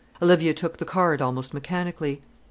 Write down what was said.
Olivia took the card almost mechanically.